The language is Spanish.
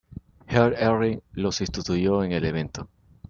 Heath Herring lo sustituyó en el evento.